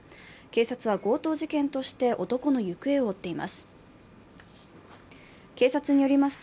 警察は強盗事件として男の行方を追っています。